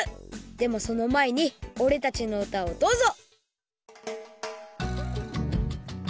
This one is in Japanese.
でもそのまえにおれたちのうたをどうぞ！